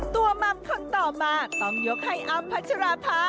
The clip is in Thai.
มัมคนต่อมาต้องยกให้อ้ำพัชราภา